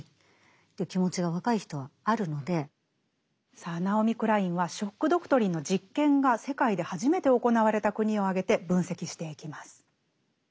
さあナオミ・クラインは「ショック・ドクトリン」の実験が世界で初めて行われた国を挙げて分析していきます。